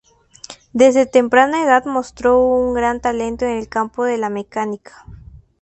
Desde temprana edad mostró un gran talento en el campo de la mecánica.